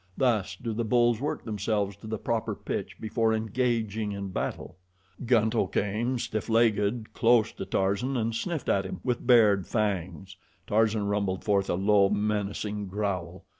Thus do the bulls work themselves to the proper pitch before engaging in battle. Gunto came, stiff legged, close to Tarzan and sniffed at him, with bared fangs. Tarzan rumbled forth a low, menacing growl.